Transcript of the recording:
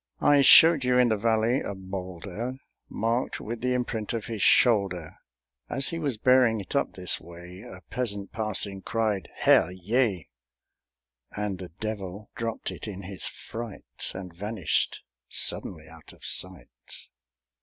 I showed you in the valley a boulderMarked with the imprint of his shoulder; As he was bearing it up this way,A peasant, passing, cried, "Herr Jé!"And the Devil dropped it in his fright, And vanished suddenly out of sight!